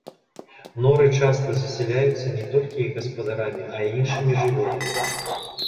Норы часта засяляюцца не толькі іх гаспадарамі, а і іншымі жывёламі.